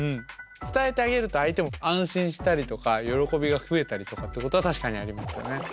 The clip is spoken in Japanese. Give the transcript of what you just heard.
伝えてあげると相手も安心したりとか喜びが増えたりとかってことは確かにありますよね。